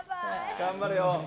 頑張れよ。